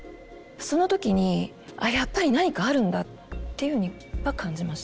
その時にあっやっぱり何かあるんだっていうふうには感じました。